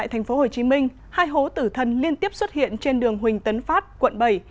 hồ chí minh hai hố tử thân liên tiếp xuất hiện trên đường huỳnh tấn phát quận bảy